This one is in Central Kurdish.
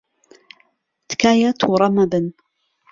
تکایە تووڕە مەبن.